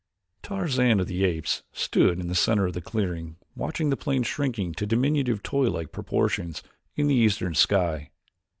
Tarzan of the Apes stood in the center of the clearing watching the plane shrinking to diminutive toy like proportions in the eastern sky.